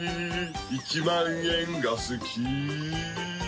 「１万円が好き」